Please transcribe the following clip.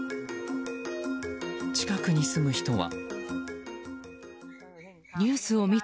近くに住む人は。